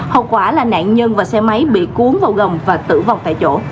hậu quả là nạn nhân và xe máy bị cuốn vào gồng và tử vong tại chỗ